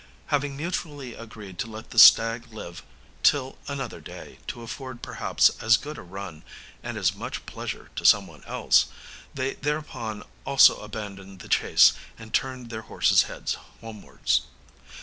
Having mutually agreed to let the stag live till another day to afford perhaps as good a run and as much pleasure to some one else, they thereupon also abandoned the chase, and turned their horses' heads homewards.